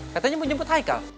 katanya mau jemput haikal